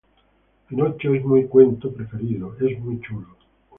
pinocho. es mi cuento preferido. es muy chulo.